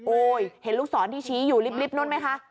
โอ้ยเห็นลูกสอนที่ชี้อยู่ลิฟน์นู้นไหมคะ